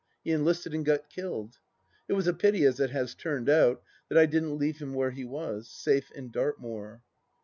He enlisted, and got killed. It was a pity, as it has turned out, that I didn't leave him where he was, safe in Dartmoor.